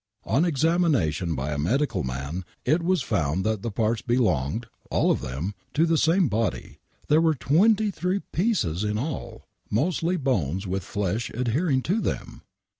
On examination by a medical man it was found that the parts belonged, all of them, to the same body. There were twenty three pieces in all ! Mostly bones with flesh adhering to them